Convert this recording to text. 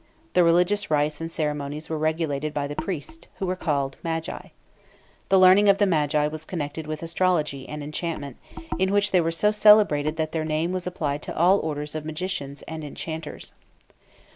The religious rites and ceremonies were regulated by the priests, who were called Magi. The learning of the Magi was connected with astrology and enchantment, in which they were so celebrated that their name was applied to all orders of magicians and enchanters.